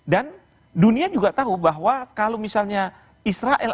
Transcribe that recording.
dan dunia juga tahu bahwa kalau misalnya israel